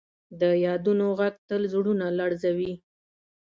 د یادونو ږغ تل زړونه لړزوي.